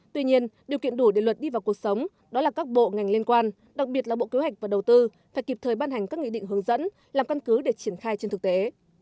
tuy nhiên điều kiện đủ để luật đi vào cuộc sống đó là các bộ ngành liên quan đặc biệt là bộ kế hoạch và đầu tư phải kịp thời ban hành các nghị định hướng dẫn làm căn cứ để triển khai trên thực tế